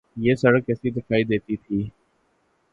یہ سڑک کیسی دکھائی دیتی تھی۔